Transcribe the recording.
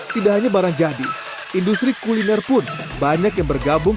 tidak hanya barang jadi industri kuliner pun banyak yang bergabung